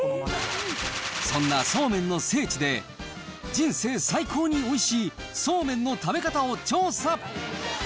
そんなそうめんの聖地で、人生最高においしいそうめんの食べ方を調査。